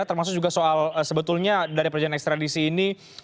termasuk juga soal sebetulnya dari perjanjian ekstradisi ini